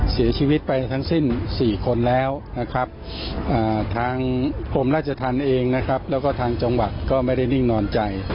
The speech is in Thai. เสียชีวิตไปทั้งสิ้น๔คนแล้วนะครับทางกรมราชธรรมเองนะครับแล้วก็ทางจังหวัดก็ไม่ได้นิ่งนอนใจ